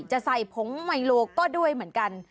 จะใส่ผงไมโลก็ด้วยเหมือนกัน